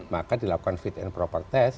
maka dilakukan fit and proper test